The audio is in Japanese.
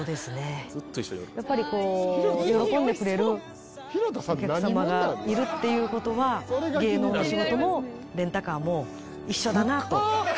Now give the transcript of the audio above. やっぱり喜んでくれるお客様がいるっていう事は芸能の仕事もレンタカーも一緒だなと感じてます。